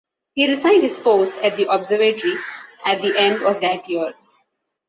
He resigned his post at the observatory at the end of that year.